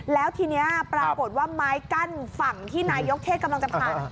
แล้วทีนี้ปรากฏว่าไม้กั้นฝั่งที่นายกเทศกำลังจะผ่าน